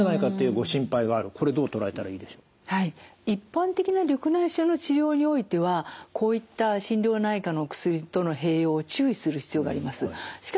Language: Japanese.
一般的な緑内障の治療においてはこういった心療内科のお薬との併用を注意する必要があります。